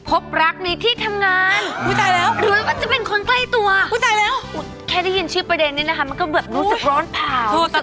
พบรักในที่ทำงานหรือว่าจะเป็นคนใกล้ตัวแค่ได้ยินชื่อประเด็นนี้นะคะมันก็แบบรู้สึกร้อนเผ่า